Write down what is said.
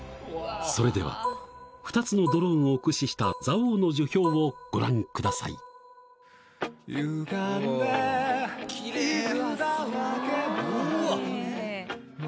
それでは２つのドローンを駆使した蔵王の樹氷をご覧ください。